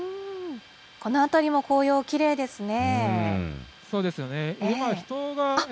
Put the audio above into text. この辺りも紅葉、そうですよね。